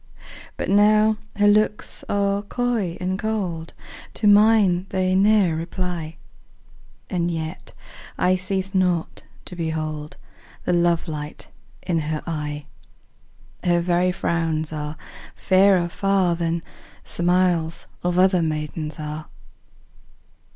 But now her looks are coy and cold, To mine they ne'er reply, And yet I cease not to behold The love light in her eye: 10 Her very frowns are fairer far Than smiles of other maidens are.